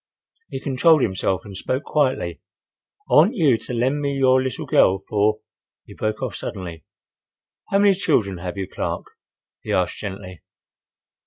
He controlled himself and spoke quietly. "I want you to lend me your little girl for—" He broke off suddenly. "How many children have you, Clark?" he asked, gently.